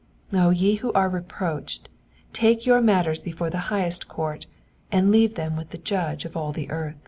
O ye who are reproached, take your matters before the highest court, and leave them with the Judge of all the earth.